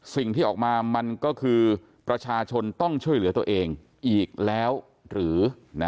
สิ่งที่ออกมามันก็คือประชาชนต้องช่วยเหลือตัวเองอีกแล้วหรือ